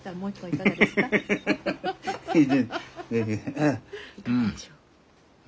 いかがでしょう？